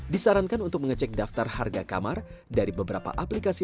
disarankan untuk mengecek daftar harga kamar dari beberapa aplikasi